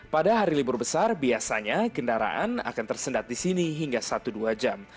pada hari libur besar biasanya kendaraan akan tersendat di sini hingga satu dua jam